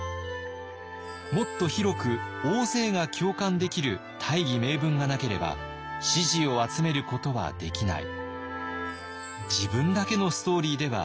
もっと広く大勢が共感できる大義名分がなければ支持を集めることはできない。